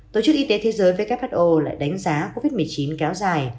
tổ chức y tế thế giới who lại đánh giá covid một mươi chín kéo dài